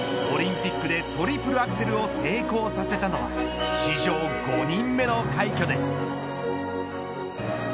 オリンピックでトリプルアクセルを成功させたのは史上５人目の快挙です。